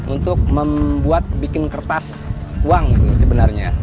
untuk membuat bikin kertas uang sebenarnya